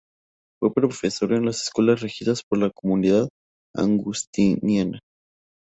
Fue profesor en las escuelas regidas por la comunidad agustiniana.